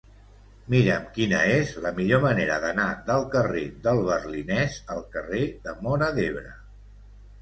Mira'm quina és la millor manera d'anar del carrer del Berlinès al carrer de Móra d'Ebre.